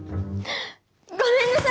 ごめんなさい！